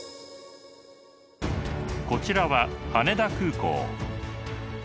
こちらは羽田空港。